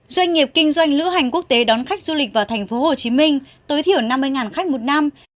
doanh nghiệp kinh doanh lữ hành quốc tế đón khách du lịch vào tp hcm tối thiểu năm mươi khách một năm